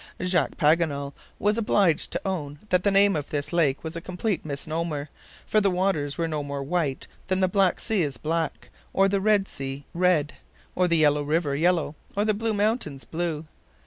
Jacques Paganel was obliged to own that the name of this lake was a complete misnomer, for the waters were no more white than the Black Sea is black, or the Red Sea red, or the Yellow River yellow, or the Blue Mountains blue.